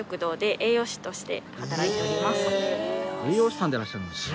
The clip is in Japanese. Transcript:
栄養士さんでいらっしゃるんですね。